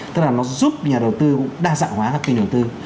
tức là nó giúp nhà đầu tư đa dạng hóa các tiền đầu tư